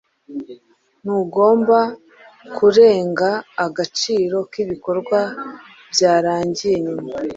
ntugomba kurenga agaciro k’ibikorwa byarangiye nyuma